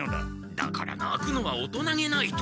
だからなくのは大人げないと。